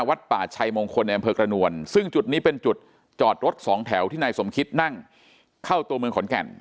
วัดป่าชัยมงคลในอำเภอกระนวลซึ่งจุดนี้เป็นจุดจอดรถสองแถวที่นายสมคิดนั่งเข้าตัวเมืองขอนแก่น